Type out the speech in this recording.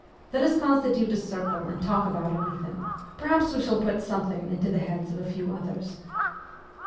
Let us con stitute a circle and talk about everything ; perhaps we shall put something into the heads of a few others.'